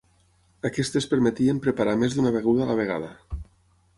Aquestes permetien preparar més d'una beguda a la vegada.